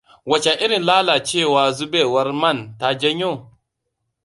Wace irin lalacewa zubewar man ta janyo?